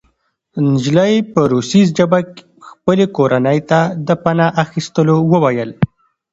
نجلۍ په روسي ژبه خپلې کورنۍ ته د پناه اخیستلو وویل